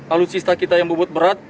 alutsista kita yang bobot berat